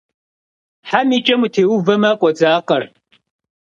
Хьэм и кӏэм утеувэмэ, къодзакъэр.